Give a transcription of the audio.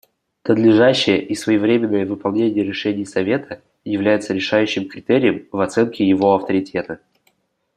Надлежащее и своевременное выполнение решений Совета является решающим критерием в оценке его авторитета.